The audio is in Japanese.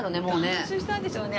何周したんでしょうね？